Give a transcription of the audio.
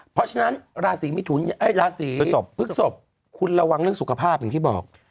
เพราะฉะนั้นราศีมิถุนราศีพฤศพพฤกษพคุณระวังเรื่องสุขภาพอย่างที่บอก